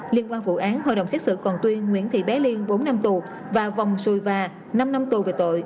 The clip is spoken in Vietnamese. liên quan vụ án hội đồng xét xử còn tuyên nguyễn thị bé liên bốn năm tù và vòng xuy va năm năm tù về tội